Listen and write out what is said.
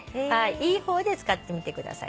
いい方で使ってみてください。